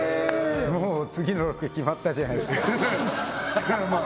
もう次のロケ決まったじゃないですかまあ